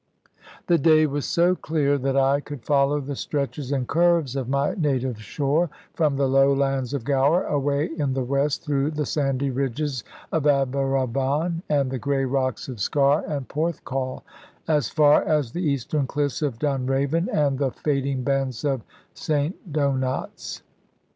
The day was so clear that I could follow the stretches and curves of my native shore, from the low lands of Gower away in the west through the sandy ridges of Aberavon and the grey rocks of Sker and Porthcawl, as far as the eastern cliffs of Dunraven and the fading bend of St Donat's.